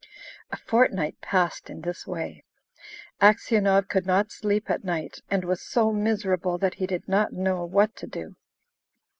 A fortnight passed in this way. Aksionov could not sleep at night, and was so miserable that he did not know what to do.